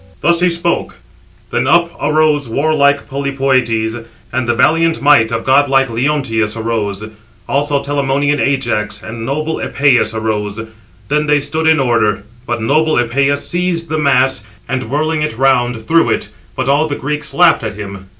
Thus he spoke; then up arose warlike Polypœtes, and the valiant might of godlike Leonteus arose; also Telamonian Ajax, and noble Epëus arose. Then they stood in order; but noble Epëus seized the mass, and, whirling it round, threw it; but all the Greeks laughed at him.